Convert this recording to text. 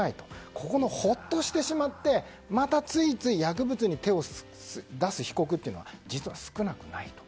ここのほっとしてしまってまたついつい薬物に手を出す被告というのは実は、少なくないと。